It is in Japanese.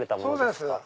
そうです。